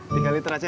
tiga liter aja ya